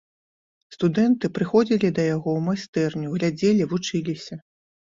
Студэнты прыходзілі да яго ў майстэрню, глядзелі, вучыліся.